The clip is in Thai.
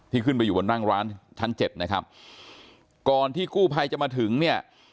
ขึ้นไปอยู่บนนั่งร้านชั้นเจ็ดนะครับก่อนที่กู้ภัยจะมาถึงเนี่ย